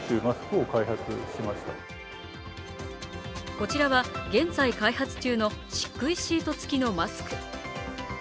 こちらは現在開発中のしっくいシート付きのマスク。